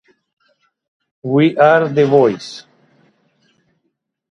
We are the voice.